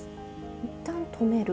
一旦とめる。